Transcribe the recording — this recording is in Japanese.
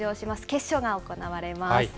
決勝が行われます。